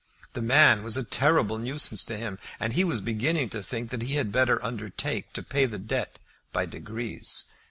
The man was a terrible nuisance to him, and he was beginning to think that he had better undertake to pay the debt by degrees.